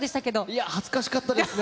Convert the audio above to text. いやー、恥ずかしかったですね。